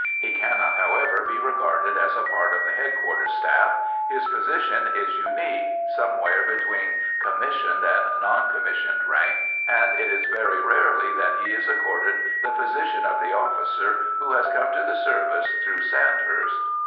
He cannot, however, be regarded as a part of the headquarters staff; his position is unique, somewhere between commissioned and non commissioned rank, and it is very rarely that he is accorded the position of the officer who has come to the service through Sandhurst.